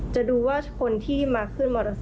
จะดูว่าคนที่มาขึ้นมอเตอร์ไซค